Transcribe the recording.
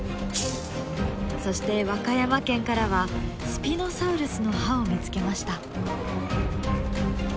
そして和歌山県からはスピノサウルスの歯を見つけました。